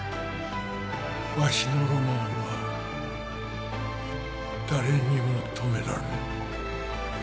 わしのロマンは誰にも止められぬ。